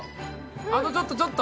あとちょっと、ちょっと。